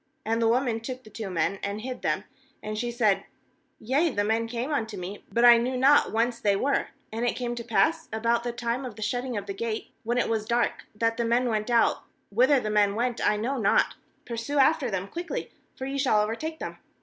4And the woman took the two men, and hid them; and she said: 'Yea, the men came unto me, but I knew not whence they were; *and it came to pass about the time of the shutting of the gate, when it was dark, that the men went out; whither the men went I know not; pursue after them quickly; for ye shall overtake them.'